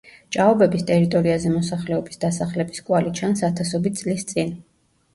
ჭაობების ტერიტორიაზე მოსახლეობის დასახლების კვალი ჩანს ათასობით წლის წინ.